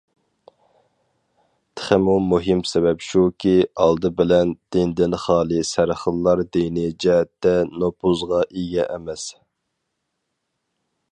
تېخىمۇ مۇھىم سەۋەب شۇكى: ئالدى بىلەن، دىندىن خالىي سەرخىللار دىنىي جەھەتتە نوپۇزغا ئىگە ئەمەس.